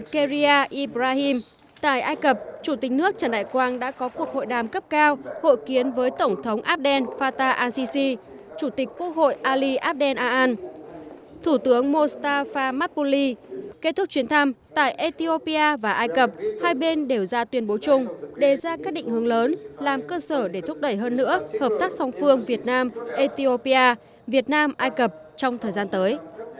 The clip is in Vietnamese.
kết thúc chuyến thăm tại ethiopia và ai cập hai bên đều ra tuyên bố chung đề ra các định hướng lớn làm cơ sở để thúc đẩy hơn nữa hợp tác song phương việt nam ethiopia việt nam ai cập trong thời gian tới